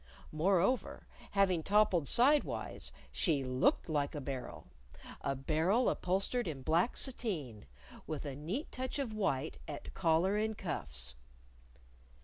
Moreover, having toppled sidewise, she looked like a barrel a barrel upholstered in black sateen, with a neat touch of white at collar and cuffs!